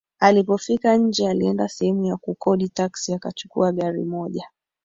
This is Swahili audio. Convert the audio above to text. Alipofika nje alienda sehemu ya kukodi taksi akachukua gari moja